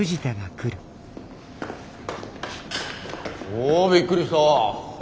おびっくりした。